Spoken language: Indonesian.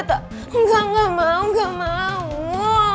tata gak mau gak mau gak mau